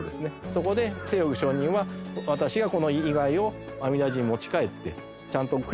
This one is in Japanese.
そこで清玉上人は「私がこの遺骸を阿弥陀寺に持ち帰ってちゃんと供養するから」。